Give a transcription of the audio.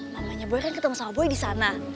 mamanya boy kan ketemu sawboy di sana